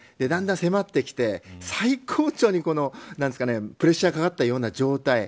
だんだん迫ってきて、最高潮にプレッシャーがかかったような状態。